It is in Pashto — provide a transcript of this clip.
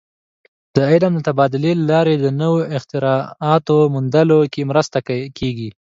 د علم د تبادلې له لارې د نوو اختراعاتو موندلو کې مرسته کېږي.